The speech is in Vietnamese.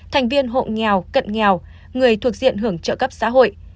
thành viên hộ nghèo cận nghèo người thuộc diện hưởng trợ cấp xã hội